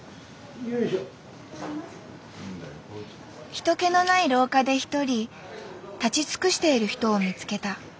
人けのない廊下で一人立ち尽くしている人を見つけた。